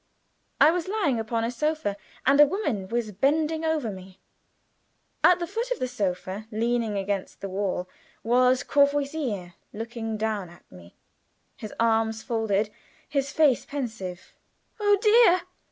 I was lying upon a sofa, and a woman was bending over me. At the foot of the sofa, leaning against the wall, was Courvoisier, looking down at me, his arms folded, his face pensive. "Oh, dear!"